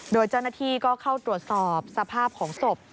โดยเจ้าหน้าที่ก็เข้าตรวจสอบสภาพของศพ